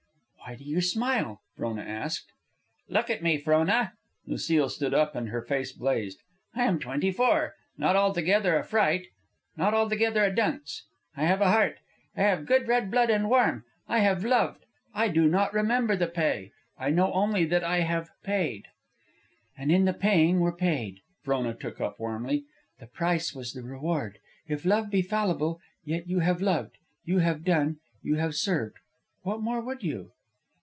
"Why do you smile?" Frona asked. "Look at me, Frona." Lucile stood up and her face blazed. "I am twenty four. Not altogether a fright; not altogether a dunce. I have a heart. I have good red blood and warm. And I have loved. I do not remember the pay. I know only that I have paid." "And in the paying were paid," Frona took up warmly. "The price was the reward. If love be fallible, yet you have loved; you have done, you have served. What more would you?"